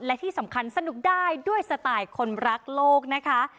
และที่สำคัญสนุกได้ด้วยสไตล์คนรักโลกนะคะ